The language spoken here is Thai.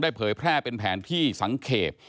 เผยแพร่เป็นแผนที่สังเกต